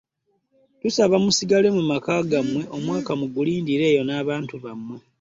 “Tubasaba musigale mu maka gammwe omwaka mugulindire eyo n'abantu bammwe"